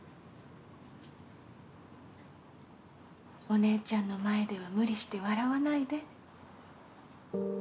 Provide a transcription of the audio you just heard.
お姉ちゃんの前では無理して笑わないで。